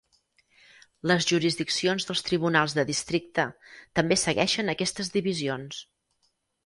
Les jurisdiccions dels tribunals de districte també segueixen aquestes divisions.